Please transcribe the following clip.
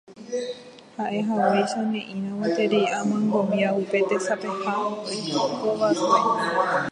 Ha'ehaguéicha ne'írã gueteri amyengovia upe tesapeha okaiva'ekue.